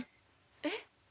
えっ？